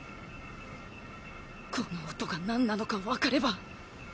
この音がなんなのかわかれば。